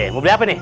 mau beli apa nih